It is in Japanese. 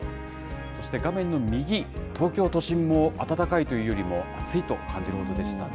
そして画面の右、東京都心も暖かいというよりも暑いと感じるほどでしたね。